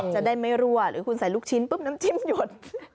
จะได้ไม่รั่วหรือคุณใส่ลูกชิ้นปุ๊บน้ำจิ้มหยด